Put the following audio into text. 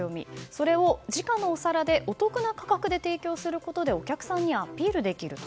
それを時価のお皿でお得な価格で提供することでお客さんにアピールできると。